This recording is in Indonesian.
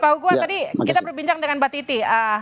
pak uguan tadi kita berbincang dengan mbak titi